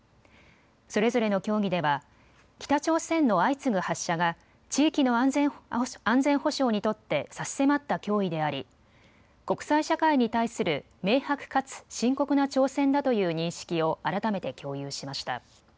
それぞれの協議では北朝鮮の相次ぐ発射が地域の安全保障にとって差し迫った脅威であり国際社会に対する明白かつ深刻な挑戦だという認識を改めて共有しました。